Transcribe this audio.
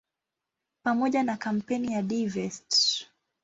Pamoja na kampeni ya "Divest!